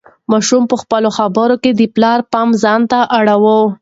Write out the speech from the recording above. ماشوم په خپلو خبرو کې د پلار پام ځان ته اړاوه.